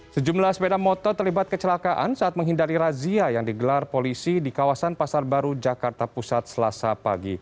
sejumlah sepeda motor terlibat kecelakaan saat menghindari razia yang digelar polisi di kawasan pasar baru jakarta pusat selasa pagi